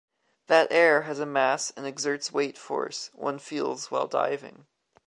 That air has a mass and exerts weight force, one feels while diving.